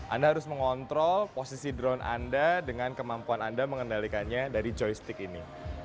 anda harus mengontrol posisi drone anda dengan kemampuan anda mengendalikannya dari joystick ini